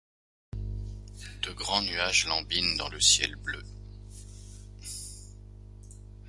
De grands nuages lambinent dans le ciel bleu.